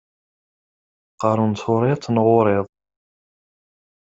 Qqaṛen turiḍt neɣ uriḍ.